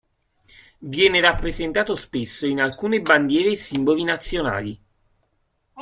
Viene rappresentato spesso in alcune bandiere e simboli nazionali.